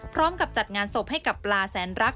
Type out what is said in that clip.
พร้อมกับจัดงานศพให้กับปลาแสนรัก